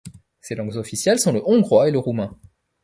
Ses langues officielles sont le hongrois et le roumain.